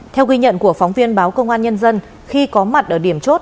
theo ghi nhận của phóng viên báo công an nhân dân khi có mặt ở điểm chốt